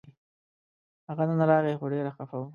هغه نن راغی خو ډېر خپه و